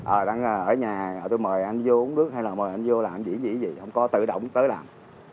ở nhà tôi mời anh vô uống nước hay là mời anh vô làm gì gì gì không có tự động tới làm